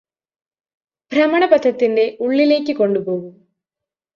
ഭ്രമണപഥത്തിന്റെ ഉള്ളിലേയ്ക് കൊണ്ടുപോകും